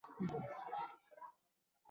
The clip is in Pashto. ډېر علمي او څېړنیز کارونه کړي دی